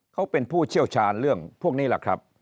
เขาเป็นผู้เชี่ยวชาญเรื่องพวกนี้แหละครับ